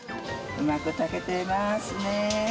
うまく炊けてますねぇ。